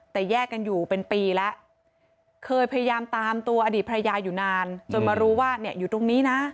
แต่แยกกันอยู่เป็นปีแล้วเคยพยายามตามตัวอดีตภรรยาอยู่นานจนมารู้ว่าเนี่ยอยู่ตรงนี้นะ